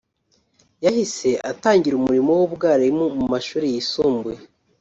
yahise atangira umurimo w’ubwarimu mu mashuri yisumbuye